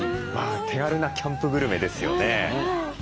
手軽なキャンプグルメですよね。